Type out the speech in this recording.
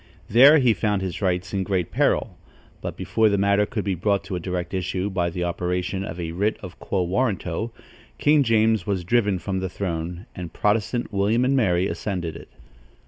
There he found his rights in great peril; but before the matter could be brought to a direct issue by the operation of a writ of quo warranto, King James was driven from the throne, and Protestant William and Mary ascended it.